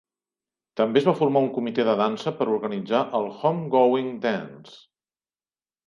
També es va formar un comitè de dansa per organitzar el Homegoing Dance.